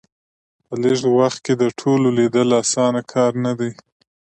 په لږ وخت کې د ټولو لیدل اسانه کار نه دی.